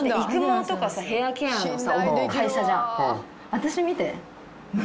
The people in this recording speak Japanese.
私見て。